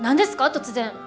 突然。